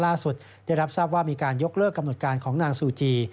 ล่าสุดได้รับทราบว่ามีการยกเลิกกำหนดการของนางซูจี